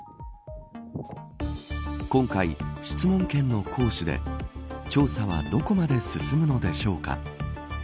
今回、質問権の行使で調査はどこまで進むのでしょうか。